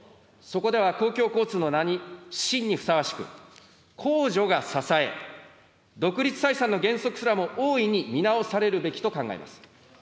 そこでは公共交通の名に真にふさわしく、公序が支え、独立採算の原則すらも大いに見直されるべきと考えます。